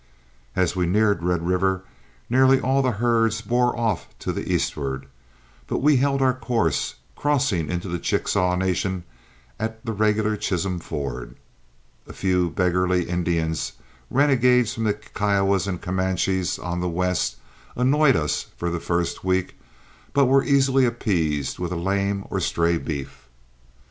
As we neared Red River, nearly all the herds bore off to the eastward, but we held our course, crossing into the Chickasaw Nation at the regular Chisholm ford. A few beggarly Indians, renegades from the Kiowas and Comanches on the west, annoyed us for the first week, but were easily appeased with a lame or stray beef.